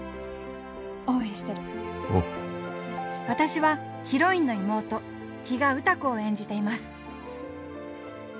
私はヒロインの妹比嘉歌子を演じています。